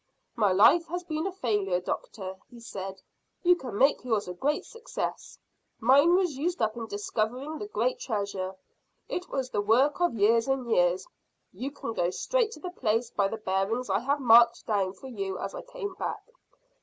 "`My life has been a failure, doctor,' he said; `you can make yours a great success. Mine was used up in discovering the great treasure. It was the work of years and years. You can go straight to the place by the bearings I have marked down for you as I came back.